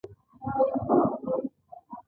په بازار کې د توکو نه پلورل کېدل بله نښه ده